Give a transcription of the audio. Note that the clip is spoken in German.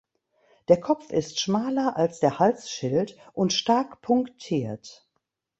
Der Kopf ist schmaler als der Halsschild und stark punktiert.